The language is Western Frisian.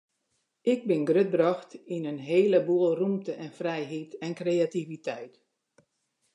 Ik bin grutbrocht yn in hele boel rûmte en frijheid en kreativiteit.